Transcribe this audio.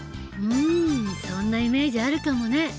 うんそんなイメージあるかもね。